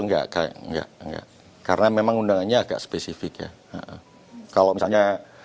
untuk besok enggak karena memang undangannya agak spesifik ya